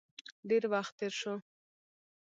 ډیر وخت تیر شو.